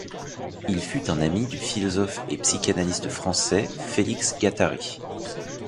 Il fut un ami du philosophe et psychanalyste français Félix Guattari.